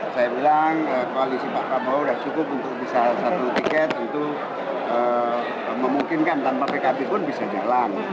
saya bilang koalisi pak prabowo sudah cukup untuk bisa satu tiket itu memungkinkan tanpa pkb pun bisa jalan